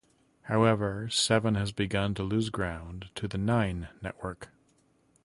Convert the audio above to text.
However Seven has begun to lose ground to the Nine Network.